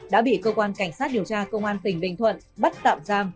đã bị cơ quan cảnh sát điều tra công an tỉnh bình thuận bắt tạm giam